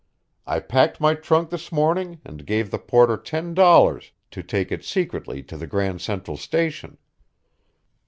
I packed my trunk this morning and gave the porter $10 to take it secretly to the Grand Central Station.